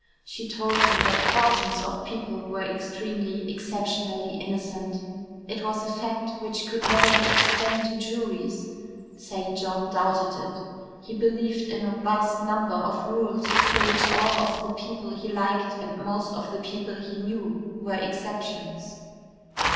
She told him that thousands of people were extremely, exceptionally innocent. It was a fact which could never be explained to juries. St. John doubted it. He believed in a vast number of rules to which all of the people he liked and most of the people he knew were exceptions.